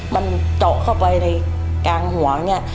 มันเจาะเข้าไปในกลางหัว